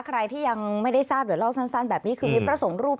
ใครที่ยังไม่ได้ทราบเดี๋ยวเล่าสั้นแบบนี้คือมีพระสงฆ์รูป